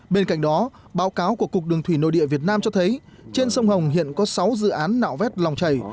bên cạnh đó báo cáo của cục đường thủy nội địa việt nam cho thấy trên sông hồng hiện có sáu dự án nạo vét lòng